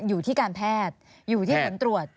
อยู่ที่การแพทย์อยู่ที่ผลตรวจ